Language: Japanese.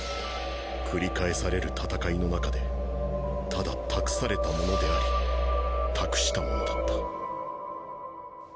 繰り返される戦いの中でただ託された者であり託した者だった。